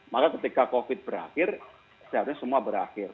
maka ketika covid sembilan belas berakhir seharusnya semua berakhir